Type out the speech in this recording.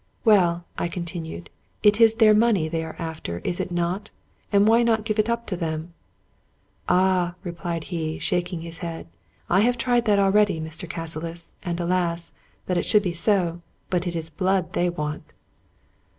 " Well," I continued, " it is their money they are after, IS it not ? Why not give it up to them ?"" Ah !" replied he, shaking his head, " I have tried that already, Mr. Cassilis ; and alas ! that it should be so, but it is blood they want."